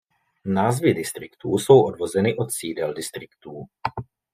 Názvy distriktů jsou odvozeny od sídel distriktů.